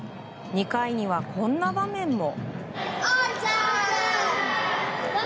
２回には、こんな場面も。